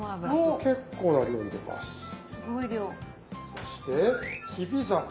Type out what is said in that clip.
そしてきび砂糖。